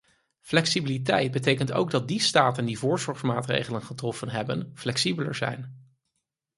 Flexibiliteit betekent ook dat die staten die voorzorgsmaatregelen getroffen hebben, flexibeler zijn.